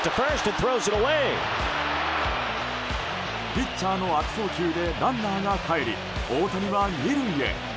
ピッチャーの悪送球でランナーがかえり大谷は２塁へ。